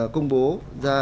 công bố ra